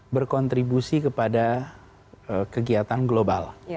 berkontribusi kepada kegiatan global